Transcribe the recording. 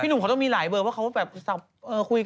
พี่หนุ่มเขาต้องมีหลายเบอร์แบบเขาทรัพย์คุยกับหลายคน